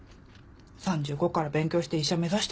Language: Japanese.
３５から勉強して医者目指してさ。